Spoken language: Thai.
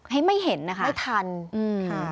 ให้ไม่เห็นนะคะไม่ทันค่ะไม่ทัน